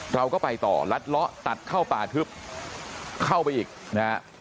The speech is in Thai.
เราก็ไปต่อลัดเลาะตัดเข้าป่าทึบเข้าไปอีกนะฮะ